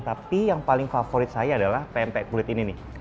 tapi yang paling favorit saya adalah pempek kulit ini nih